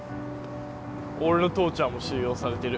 俺の父ちゃんも収容されてる。